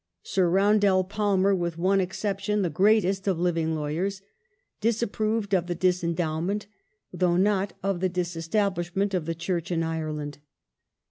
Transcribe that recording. Sir Roundell Palmer, with one exception the greatest of living lawyers, disapproved of the disendowment, though not of the disestablish ment of the Church in Ireland.